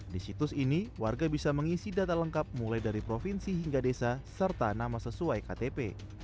di situs ini warga bisa mengisi data lengkap mulai dari provinsi hingga desa serta nama sesuai ktp